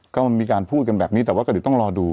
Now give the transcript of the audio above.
ก็มันมีการพูดกันแบบนี้แต่ก็ต้องรอดู